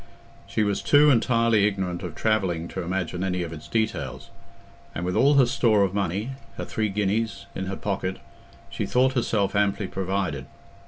She was too entirely ignorant of traveling to imagine any of its details, and with all her store of money—her three guineas—in her pocket, she thought herself amply provided.